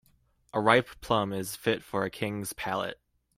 A ripe plum is fit for a king's palate.